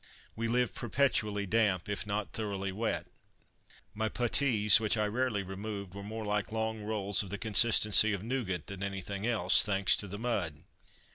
We lived perpetually damp, if not thoroughly wet. My puttees, which I rarely removed, were more like long rolls of the consistency of nougat than anything else, thanks to the mud.